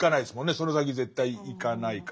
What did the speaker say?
その先絶対行かないから。